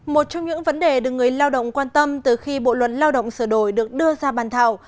một trong những vấn đề được người lao động quan tâm từ khi bộ luật lao động sửa đổi được đưa ra bàn thảo